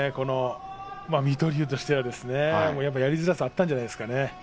水戸龍としてはやりづらさがあったんじゃないですかね。